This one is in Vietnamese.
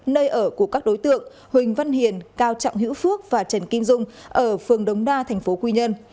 nơi ở của các đối tượng huỳnh văn hiền cao trọng hữu phước và trần kim dũng ở phường đống đa tp quy nhơn